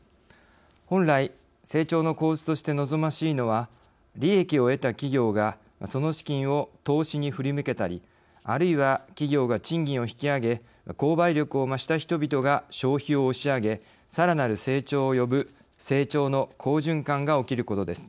本来、成長の構図として望ましいのは利益を得た企業がその資金を投資に振り向けたりあるいは企業が賃金を引き上げ購買力を増した人々が消費を押し上げさらなる成長を呼ぶ成長の好循環が起きることです。